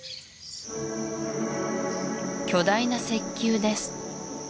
巨大な石球です